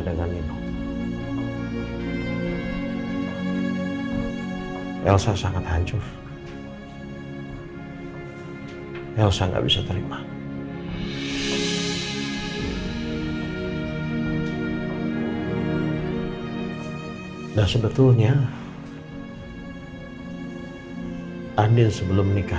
dia sudah jatuh